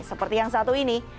seperti yang satu ini